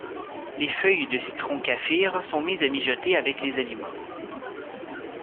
Les feuilles de citron Kaffir sont mises à mijoter avec les aliments.